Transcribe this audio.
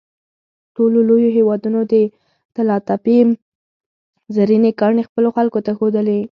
ټولو لویو هېوادونو د طلاتپې زرینې ګاڼې خپلو خلکو ته ښودلې.